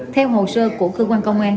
theo hồ sơ của cơ quan công an